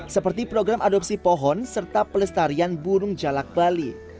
seperti program adopsi pohon serta pelestarian burung jalak bali